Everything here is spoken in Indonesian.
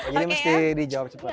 jadi mesti di jawab cepat